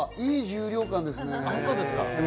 いい重量感ですね。